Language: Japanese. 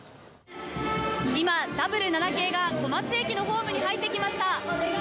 今、Ｗ７系が小松駅のホームに入ってきました。